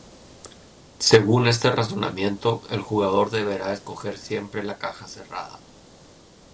Según este razonamiento, el jugador deberá escoger siempre la caja cerrada.